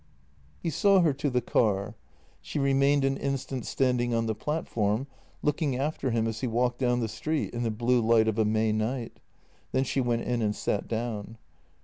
He saw her to the car. She remained an instant stand ing on the platform, looking after him as he walked down the street in the blue light of a May night. Then she went in and sat down.